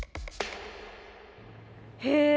へえ。